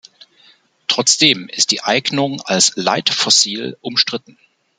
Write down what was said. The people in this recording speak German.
Trotzdem ist die Eignung als Leitfossil umstritten.